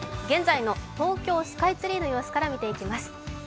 現在の東京スカイツリーの様子から見ていきます。